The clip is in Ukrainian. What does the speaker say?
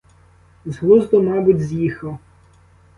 З глузду, мабуть, з'їхав?